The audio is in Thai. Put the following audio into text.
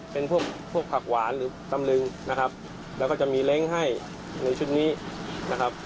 เป็นพวกพวกผักหวานหรือตำลึงนะครับแล้วก็จะมีเล้งให้ในชุดนี้นะครับ